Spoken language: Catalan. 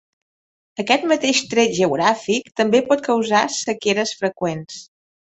Aquest mateix tret geogràfic també pot causar sequeres freqüents.